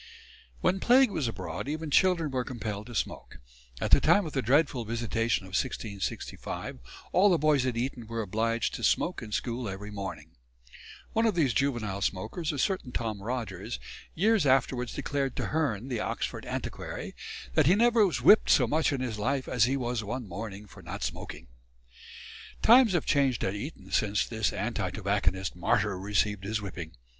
When plague was abroad even children were compelled to smoke. At the time of the dreadful visitation of 1665 all the boys at Eton were obliged to smoke in school every morning. One of these juvenile smokers, a certain Tom Rogers, years afterwards declared to Hearne, the Oxford antiquary, that he never was whipped so much in his life as he was one morning for not smoking. Times have changed at Eton since this anti tobacconist martyr received his whipping.